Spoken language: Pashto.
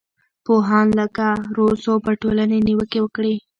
پوهان لکه روسو پر ټولنې نیوکې وکړې.